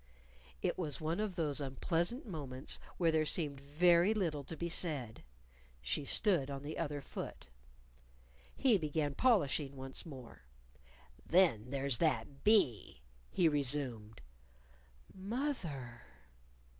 It was one of those unpleasant moments when there seemed very little to be said. She stood on the other foot. He began polishing once more. "Then there's that bee," he resumed "Moth er."